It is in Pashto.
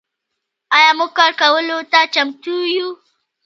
آیا موږ کار کولو ته چمتو یو؟